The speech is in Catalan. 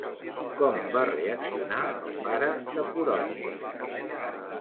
Com va reaccionar el pare de Coronis?